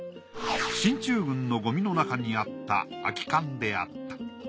進駐軍のゴミの中にあった空き缶であった。